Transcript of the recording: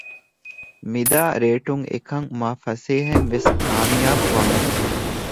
މިދާ ރޭޓުން އެކަން މާ ފަސޭހައިން ވެސް ކާމިޔާބު ވާނެ